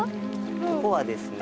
ここはですね